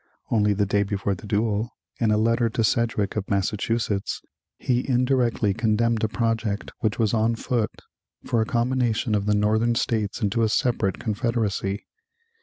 Only the day before the duel, in a letter to Sedgwick of Massachusetts, he indirectly condemned a project which was on foot for a combination of the Northern States into a separate confederacy.